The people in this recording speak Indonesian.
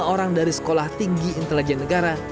lima orang dari sekolah tinggi intelijen negara